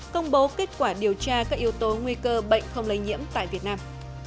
công bố kết quả điều tra các yếu tố nguy cơ bệnh không lây nhiễm tại việt nam